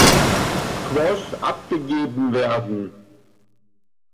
Squash abgegeben werden.